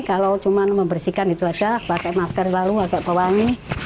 kalau cuma membersihkan itu saja pakai masker lalu pakai pewangi